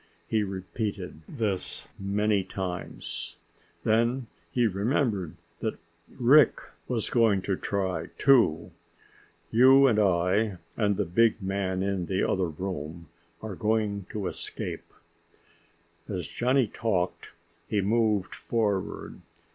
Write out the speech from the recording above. He repeated this many times. Then he remembered that Rick was going to try, too. "You and I and the big man in the other room are going to escape." As Johnny talked, he moved forward.